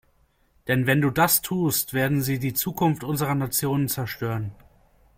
Denn wenn du das tust, werden sie die Zukunft unserer Nation zerstören.